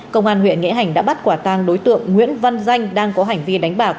công an huyện nghĩa hành đã bắt quả tang đối tượng nguyễn văn danh đang có hành vi đánh bạc